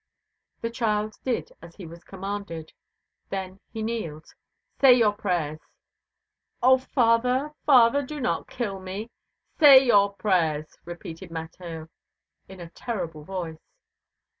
The child did as he was commanded, then he kneeled. "Say your prayers." "Oh, father, father, do not kill me!" "Say your prayers!" repeated Mateo in a terrible voice.